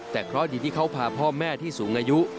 ที่เขาพาพ่อแม่ที่สูงอายุ